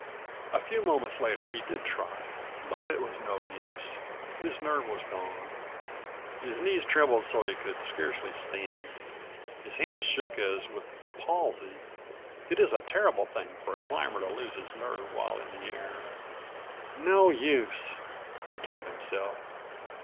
A few moments later he did try, but it was no use. His nerve was gone. His knees trembled so he could scarcely stand. His hands shook as with the palsy. It is a terrible thing for a climber to lose his nerve while in the air. "No use," he told himself.